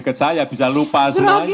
ketiga peracuan hikmat kemanusia ini